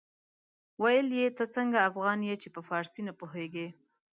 ويل يې ته څنګه افغان يې چې په فارسي نه پوهېږې.